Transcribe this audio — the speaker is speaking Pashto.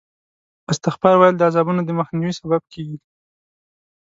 استغفار ویل د عذابونو د مخنیوي سبب کېږي.